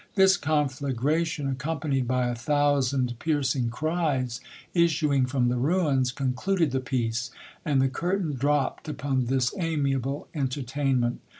This conflagration, accompanied by a thousand piercing cries, issuing from the ruins, concluded the piece, and the curtain dropped upon this amiable entertainment.